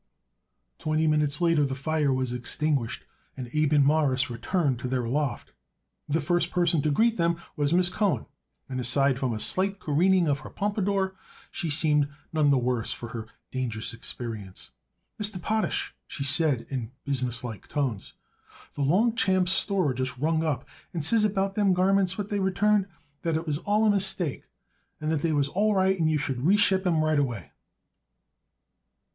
Twenty minutes later the fire was extinguished, and Abe and Morris returned to their loft. The first person to greet them was Miss Cohen, and, aside from a slight careening of her pompadour, she seemed none the worse for her dangerous experience. "Mr. Potash," she said in businesslike tones, "the Longchamps Store just rung up and says about them garments what they returned that it was all a mistake, and that they was all right and you should reship 'em right away."